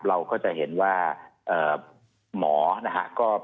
เราก็จะเห็นว่าหมอนะฮะ